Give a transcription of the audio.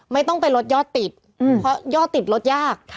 ไม่ต้องไปลดยอดติดเพราะยอดติดลดยาก